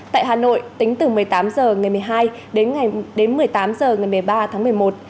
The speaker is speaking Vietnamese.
tại hà nội tính từ một mươi tám h ngày một mươi hai đến một mươi tám h ngày một mươi ba tháng một mươi một